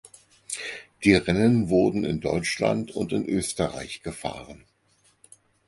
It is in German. Die Rennen wurden in Deutschland und in Österreich gefahren.